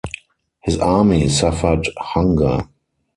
His army suffered hunger.